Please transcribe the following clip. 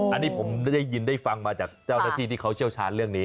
อันนี้ผมได้ยินได้ฟังมาจากเจ้าหน้าที่ที่เขาเชี่ยวชาญเรื่องนี้